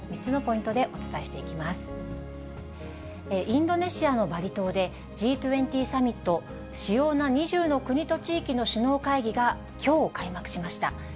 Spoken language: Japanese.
インドネシアのバリ島で、Ｇ２０サミット・主要な２０の国と地域の首脳会議がきょう開幕しました。